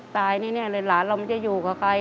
ตายนี่เลยหลานเราไม่ได้อยู่กับใคร